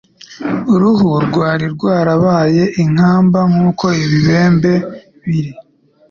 Uruhu rwari rwarabaye inkamba nk'uko ibibembe biri,